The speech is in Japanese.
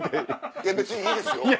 別にいいですよ。